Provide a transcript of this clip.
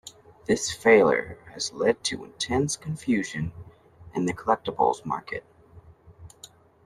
This failure has led to intense confusion in the collectibles market.